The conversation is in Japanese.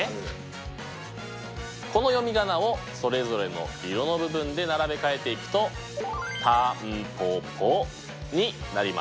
この読み仮名をそれぞれの色の部分で並べ替えていくと「タンポポ」になります。